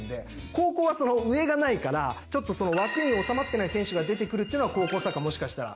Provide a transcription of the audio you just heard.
高校はその上がないからちょっとその枠に収まってない選手が出てくるっていうのは高校サッカーもしかしたら。